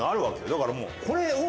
だからもうこれを。